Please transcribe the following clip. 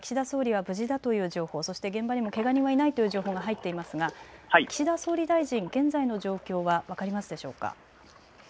高橋さん、こちらには岸田総理は無事だという情報、そして現場にはけが人がいないという情報が入っていますが、岸田総理大臣、現在の状況は分かりますでしょうか。